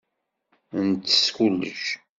Ntess kullec.